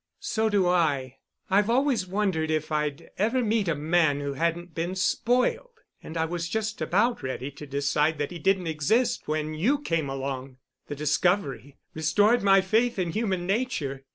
"So do I. I've always wondered if I'd ever meet a man who hadn't been spoiled. And I was just about ready to decide that he didn't exist when you came along. The discovery restored my faith in human nature.